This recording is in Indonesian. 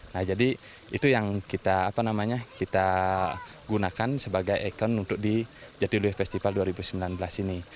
nah jadi itu yang kita gunakan sebagai ikon untuk di jatiluwe festival dua ribu sembilan belas ini